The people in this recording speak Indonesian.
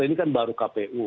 ini kan baru kpu